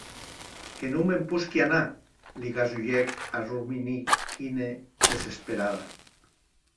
Que non me’n posqui anar, li gasulhèc a Rasumikhine, desesperada.